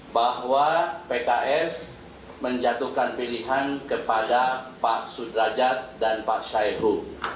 bahwa pks menjatuhkan pilihan kepada pak sudrajat dan pak syaihu